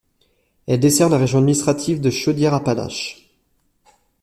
Elle dessert la région administrative de Chaudière-Appalaches.